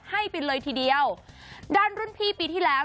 ให้ไปเลยทีเดียวด้านรุ่นพี่ปีที่แล้ว